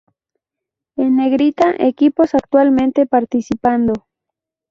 En negrita equipos actualmente participando.